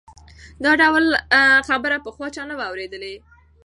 دا ډول خبره پخوا چا نه وه اورېدلې.